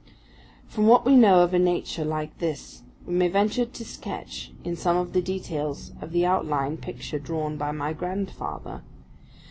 From what we know of a nature like his we may venture to sketch in some of the details of the outline picture drawn by my grandfather.